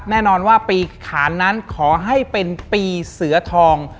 แน่นอนว่าปีขานนั้นขอให้เป็นปีเสือทอง